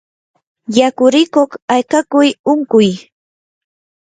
yakurikuq akakuy unquy